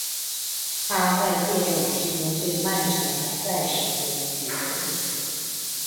他在借用期间对曼城的赛事中取得入球。